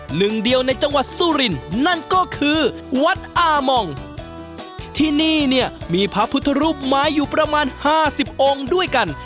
หนึ่งเดียวในจังหวัดสุรินทร์นั่นก็คือวัดอามองที่นี่เนี่ยมีพระพุทธรูปไม้อยู่ประมาณห้าสิบองค์ด้วยกัน